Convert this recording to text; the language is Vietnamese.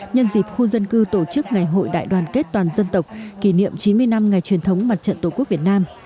nhân dịp khu dân cư tổ chức ngày hội đại đoàn kết toàn dân tộc kỷ niệm chín mươi năm ngày truyền thống mặt trận tổ quốc việt nam